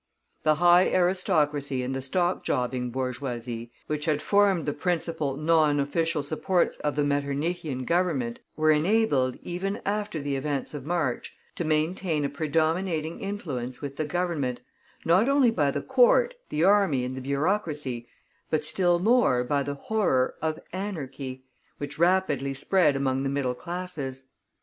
The high aristocracy and the stock jobbing bourgeoisie, which had formed the principal non official supports of the Metternichian Government, were enabled, even after the events of March, to maintain a predominating influence with the Government, not only by the Court, the army and the bureaucracy, but still more by the horror of "anarchy," which rapidly spread among the middle classes.